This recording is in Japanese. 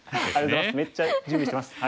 めっちゃ準備してます。